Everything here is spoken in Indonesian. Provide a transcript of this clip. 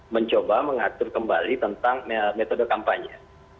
mencoba mengatur kembali tentang metode kampanye